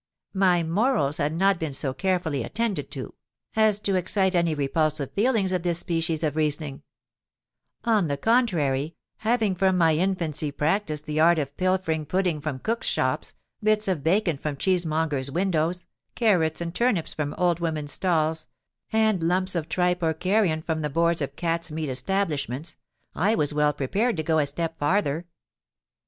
My morals had not been so carefully attended to, as to excite any repulsive feelings at this species of reasoning: on the contrary, having from my infancy practised the art of pilfering pudding from cooks' shops, bits of bacon from cheesemongers' windows, carrots and turnips from old women's stalls, and lumps of tripe or carrion from the boards of cats' meat establishments, I was well prepared to go a step farther.